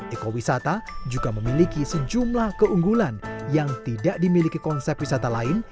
ekowisata juga memiliki sejumlah keunggulan yang tidak dimiliki konsep wisata lain